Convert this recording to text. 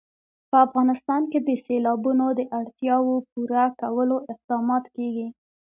په افغانستان کې د سیلابونو د اړتیاوو پوره کولو اقدامات کېږي.